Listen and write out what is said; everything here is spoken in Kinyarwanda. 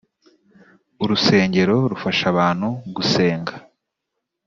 urusengero rufasha abantu gusenga.